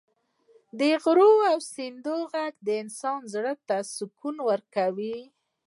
د غرونو او سیندونو غږ د انسان زړه ته سکون ورکوي.